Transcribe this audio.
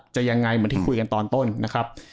ยังไงเหมือนที่คุยกันตอนต้นนะครับ